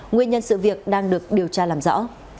nguyên nhân sự việc đang được điều tra làm rõ